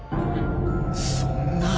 そんな。